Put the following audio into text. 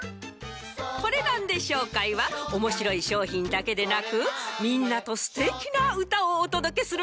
コレナンデ商会はおもしろいしょうひんだけでなくみんなとすてきなうたをおとどけする